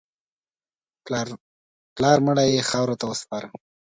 پلار مړی یې خاورو ته وسپاره.